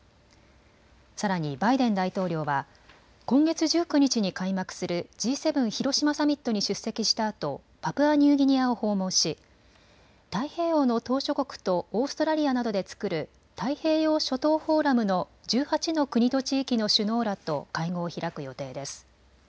さらにバイデン大統領は今月１９日に開幕するＧ７広島サミットに出席したあとパプアニューギニアを訪問し太平洋の島しょ国とオーストラリアなどで作る太平洋諸島フォーラムの１８の国と地域の首脳らと会合を開く予定です。